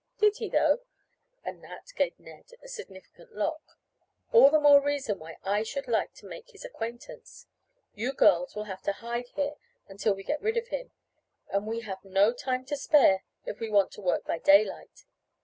"Did he though?" and Nat gave Ned a significant look. "All the more reason why I should like to make his acquaintance. You girls will have to hide here until we get rid of him, and we have no time to spare if we want to work by daylight.